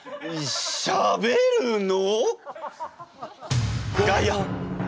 しゃべるの！？